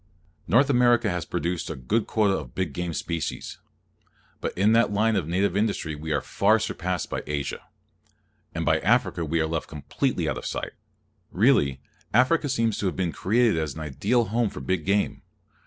North America has produced a good quota of big game species; but in that line of native industry we are far surpassed by Asia; and by Africa we are left completely out of sight. Really, Africa seems to have been created as an ideal home for big game.